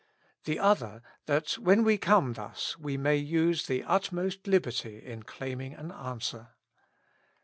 The other, that when we come thus we may use the utmost liberty in claiming an answer.